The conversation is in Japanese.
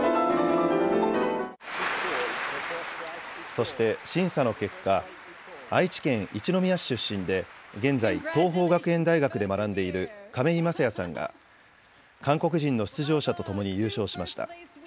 そして審査の結果、愛知県一宮市出身で現在、桐朋学園大学で学んでいる亀井聖矢さんが韓国人の出場者と共に優勝しました。